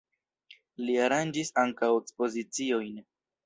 Li aranĝis ankaŭ ekspoziciojn.